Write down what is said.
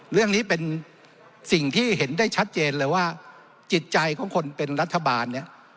เรื่องนี้เป็นสิ่งที่เห็นได้ชัดเจนเลยว่าจิตใจของคนเป็นรัฐบาลเนี่ย